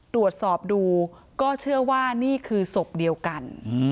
ตรวจสอบดูก็เชื่อว่านี่คือศพเดียวกัน